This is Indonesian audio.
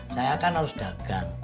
saya kan harus dagang